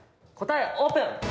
答えオープン！